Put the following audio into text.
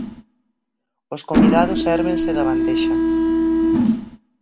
Os convidados sérvense da bandexa.